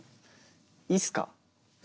いいっすか？